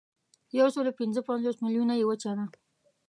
یوسلاوپینځهپنځوس میلیونه یې وچه ده.